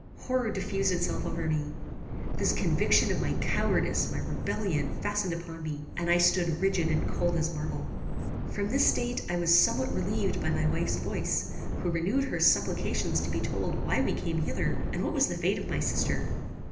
"Horror diffused itself over me. This conviction of my cowardice, my rebellion, fastened upon me, and I stood rigid and cold as marble. From this state I was somewhat relieved by my wife's voice, who renewed her supplications to be told why we came hither, and what was the fate of my sister.